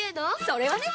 それはね！